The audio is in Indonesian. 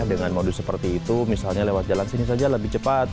dengan modus seperti itu misalnya lewat jalan sini saja lebih cepat